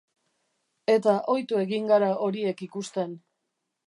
Eta ohitu egin gara horiek ikusten.